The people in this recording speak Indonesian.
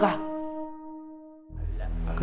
yaitu pahala dan barokah